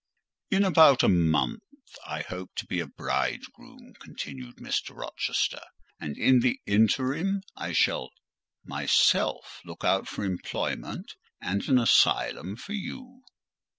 "In about a month I hope to be a bridegroom," continued Mr. Rochester; "and in the interim, I shall myself look out for employment and an asylum for you."